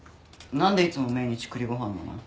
何でいつも命日栗ご飯なの？